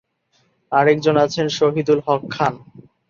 আরেকজন আছেন শহীদুল হক খান।